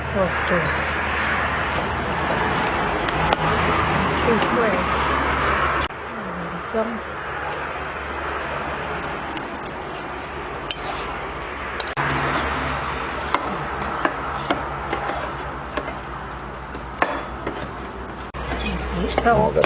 เปิดทำให้สะเบียดให้เพียงออกไป